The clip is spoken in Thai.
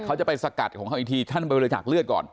เขาจะไปสกัดของเขาอีกทีท่านไปบริจาคเลือดก่อน